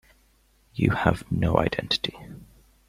You have no identity.